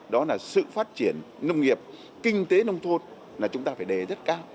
đó là sự phát triển nông nghiệp kinh tế nông thôn là chúng ta phải đề rất cao